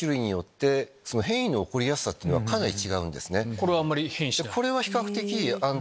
これはあまり変異しない？